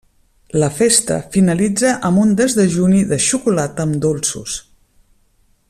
La festa finalitza amb un desdejuni de xocolata amb dolços.